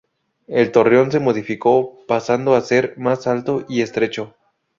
El torreón se modificó, pasando a ser más alto y estrecho.